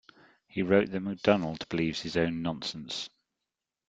He wrote that MacDonald believes his own nonsense.